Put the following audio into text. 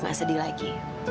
nggak sedih lagi